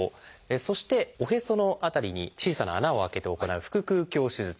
そしておへその辺りに小さな穴を開けて行う「腹腔鏡手術」。